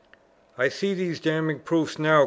"I see these damning proofs now!"